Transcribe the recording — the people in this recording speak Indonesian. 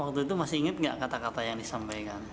waktu itu masih ingat nggak kata kata yang disampaikan